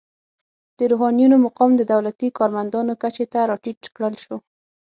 د روحانینو مقام د دولتي کارمندانو کچې ته راټیټ کړل شو.